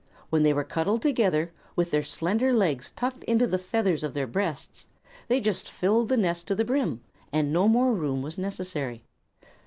When they were cuddled together, with their slender legs tucked into the feathers of their breasts, they just filled the nest to the brim, and no more room was necessary.